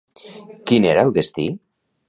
Quin era el destí?